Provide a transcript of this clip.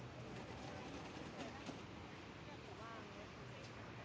เมื่อเวลาเมื่อเวลาเมื่อเวลา